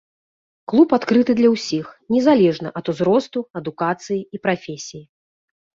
Клуб адкрыты для ўсіх, незалежна ад узросту, адукацыі і прафесіі.